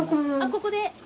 ここで？